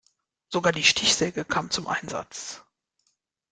Sogar die Stichsäge kam zum Einsatz.